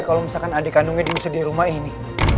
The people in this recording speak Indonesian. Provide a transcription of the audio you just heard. kalau misalkan adik kandungnya bisa di rumah ini